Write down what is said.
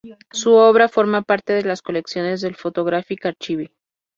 Su obra forma parte de las colecciones del Photographic archive.